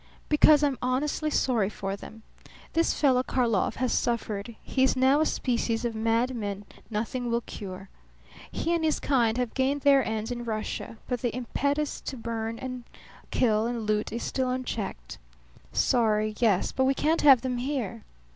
"Because I'm honestly sorry for them. This fellow Karlov has suffered. He is now a species of madman nothing will cure. He and his kind have gained their ends in Russia, but the impetus to kill and burn and loot is still unchecked. Sorry, yes; but we can't have them here.